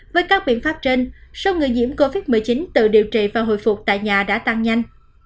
với các biện pháp trên số người nhiễm covid một mươi chín tự điều trị và hồi phục tại nhà đã tăng nhanh